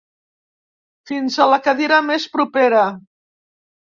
Fins a la cadira més propera.